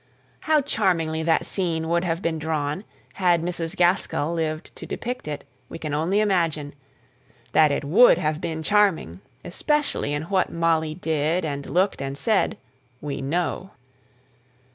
How charmingly that scene would have been drawn, had Mrs. Gaskell lived to depict it, we can only imagine: that it would have been charming especially in what Molly did, and looked, and said we know.